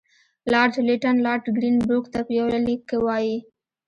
لارډ لیټن لارډ ګرین بروک ته په یوه لیک کې وایي.